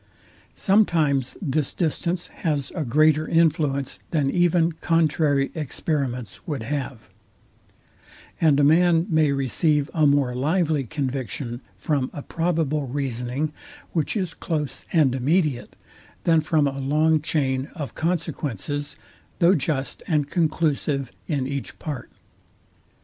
Sometimes this distance has a greater influence than even contrary experiments would have; and a man may receive a more lively conviction from a probable reasoning, which is close and immediate, than from a long chain of consequences, though just and conclusive in each part.